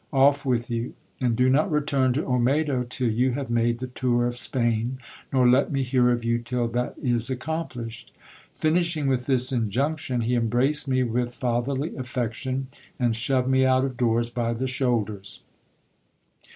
Off with you ! and do not return to Olmedo till you have made the tour of Spain, nor let me hear of you till that is accomplished. Finishing with this injunction, he em braced me with fatherly affection, and shoved me out of doors by the shoulders.